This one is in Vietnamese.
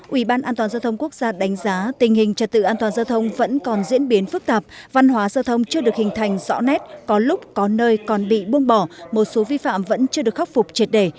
ủy ban an toàn giao thông quốc gia đánh giá tình hình trật tự an toàn giao thông vẫn còn diễn biến phức tạp văn hóa giao thông chưa được hình thành rõ nét có lúc có nơi còn bị buông bỏ một số vi phạm vẫn chưa được khắc phục triệt đề